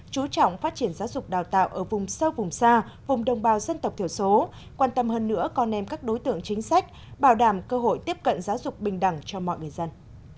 chú trọng phát triển giáo dục đào tạo ở vùng sâu vùng xa vùng đồng bào dân tộc thiểu số quan tâm hơn nữa con em các đối tượng chính sách bảo đảm cơ hội tiếp cận giáo dục bình đẳng cho mọi người dân